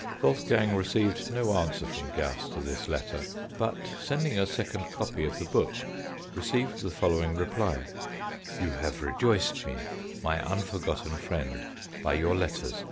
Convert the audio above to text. Wolfgang received no answer from Gauss to this letter, but sending a second copy of the book received the following reply : "You have rejoiced me, my unforgotten friend, by your letters.